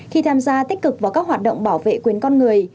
khi tham gia tích cực vào các hoạt động bảo vệ quyền con người